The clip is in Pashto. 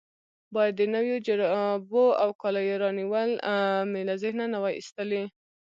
باید د نویو جرابو او کالو رانیول مې له ذهنه نه وای ایستلي.